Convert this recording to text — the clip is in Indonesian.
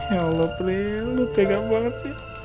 ya allah pri lu tega banget sih